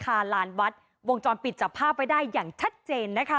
เรื่องนี้เกิดอะไรขึ้นไปเจาะลึกประเด็นร้อนจากรายงานค่ะ